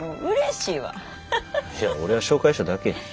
いや俺は紹介しただけや。